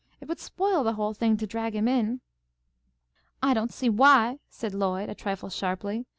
It would spoil the whole thing to drag him in." "I don't see why," said Lloyd, a trifle sharply.